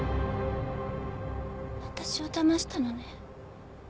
私をだましたのね。